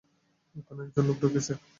ওখানে একজন লোক ঢুকেছে।